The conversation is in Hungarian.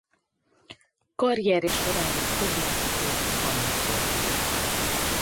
Karrierje során több mexikói klubban megfordult.